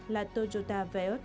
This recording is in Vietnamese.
là toyota v tám